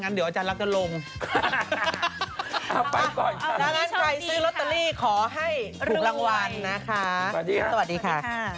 สวัสดีค่ะสวัสดีค่ะสวัสดีค่ะ